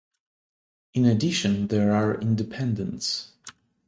In addition there are independents.